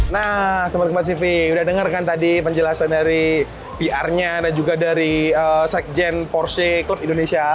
nah selamat datang pak sivy udah denger kan tadi penjelasan dari pr nya dan juga dari secgen porsche club indonesia